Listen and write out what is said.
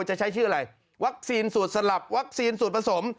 จะใช้ชื่ออะไรวัคซีนสูตรสลับวัคซีนสูตรผสม